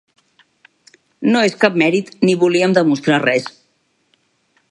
No és cap mèrit ni volíem demostrar res.